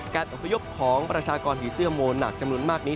การอบพยพของประชากรผีเสื้อโมหนักจำนวนมากนี้